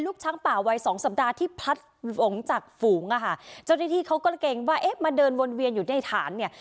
ลูกช้างป่าวัยสองศัตรูดาที่พลัดหงษ์จากฝูงอ่ะฮ่าเจ้าในที่เขาก็เกรงบ่เอะมาเดินวนเวียนอยู่ในฐานเนี่ย